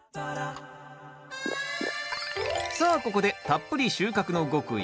さあここでたっぷり収穫の極意